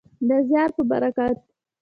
د زیار په برکت.